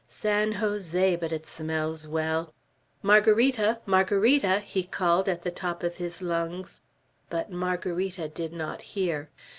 San Jose! but it smells well! Margarita! Margarita!" he called at top of his lungs; but Margarita did not hear.